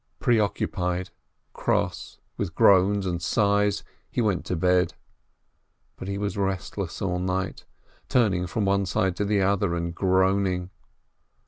Preoccupied, cross, with groans and sighs, he went to bed. But he was restless all night, turning from one side to the other, and groaning.